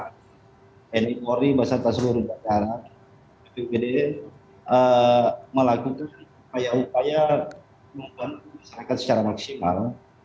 tni polri basnar tasburu bapak darah bppd melakukan upaya upaya untuk membangun masyarakat secara maksimal